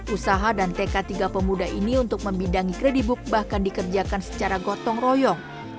usaha dan tk tiga pemuda ini untuk membidangi kredibook bahkan dikerjakan secara gotong royong